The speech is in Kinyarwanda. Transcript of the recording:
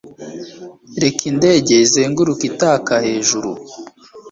Reka indege izenguruke itaka hejuru